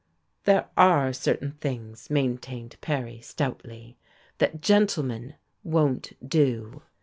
"There are certain things," maintained Perry, stoutly, "that gentlemen won't do."